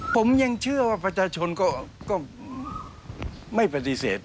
ผมยังเชื่อว่าประชาชนก็ไม่ปฏิเสธ